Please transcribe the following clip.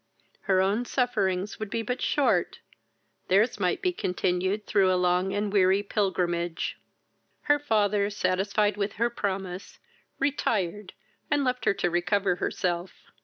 Her own sufferings would be but short; their's might be continued through a long and weary pilgrimage. Her father, satisfied with her promise, retired, and left her to recover herself.